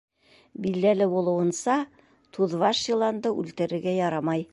Билдәле булыуынса, туҙбаш йыланды үлтерергә ярамай.